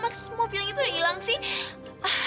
mas semua feeling itu udah hilang sih